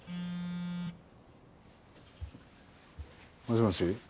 もしもし？